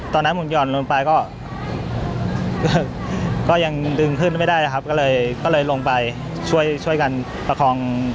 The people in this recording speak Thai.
ตอนนั้นผมหย่อนลงไปก็ยังดึงขึ้นไม่ได้นะครับก็เลยก็เลยลงไปช่วยช่วยกันประคอง